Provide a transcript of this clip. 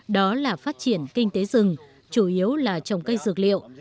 đó là phát triển kinh tế rừng chủ yếu là trồng cây dược liệu